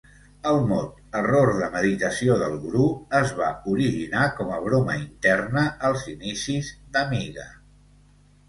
El mot "Error de meditació del gurú" es va originar com a broma interna als inicis d'Amiga.